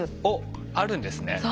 おっあるんですね。